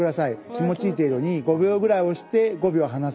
気持ちいい程度に５秒ぐらい押して５秒離す。